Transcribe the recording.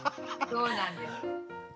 そうなんです。